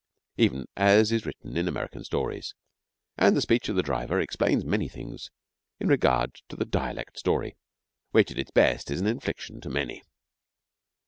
even as is written in American stories. And the speech of the driver explains many things in regard to the dialect story, which at its best is an infliction to many.